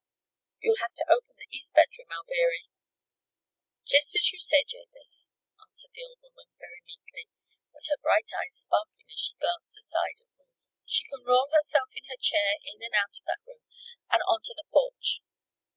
"You'll have to open the East bedroom, Alviry." "Jest as you say, Jabez," answered the old woman, very meekly, but her bright eyes sparkling as she glanced aside at Ruth. "She kin roll herself in her chair in and out of that room, and onto the porch."